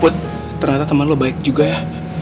put ternyata temen lo baik juga ya